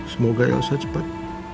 semoga yosef cepat